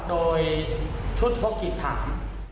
โดยชุดพบกิจถาม